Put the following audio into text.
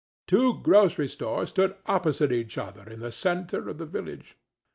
Two grocery stores stood opposite each other in the centre of the village.